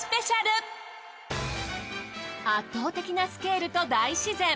圧倒的なスケールと大自然。